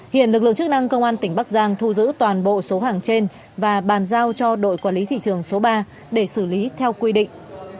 hiện lực lượng chức năng công an tỉnh bắc giang thu giữ toàn bộ số hàng trên và bàn giao cho đội quản lý thị trường số ba để xử lý theo quy định